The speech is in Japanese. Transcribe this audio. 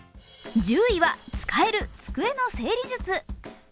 １０位は使える机の整理術。